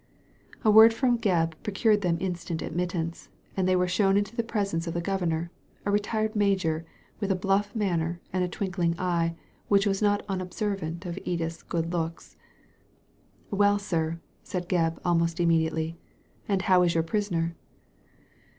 A word from Gebb procured them instant admittance, and they were shown into the presence of the Governor, a retired major, with a bluff manner and a twinkling eye, which was not unob servant of Edith's good looks. "Well, sir," said Gebb, almost immediately, ''and how is your prisoner